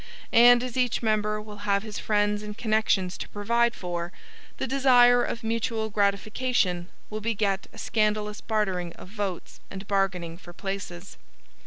And as each member will have his friends and connections to provide for, the desire of mutual gratification will beget a scandalous bartering of votes and bargaining for places.